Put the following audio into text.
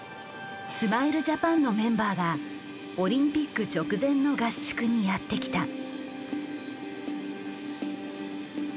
スマイルジャパンのメンバーがオリンピック直前の合宿にやって来た。